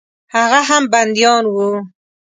هغه هم بندیان وه.